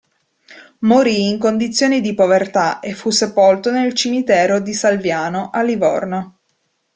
Morì in condizioni di povertà e fu sepolto nel cimitero di Salviano, a Livorno.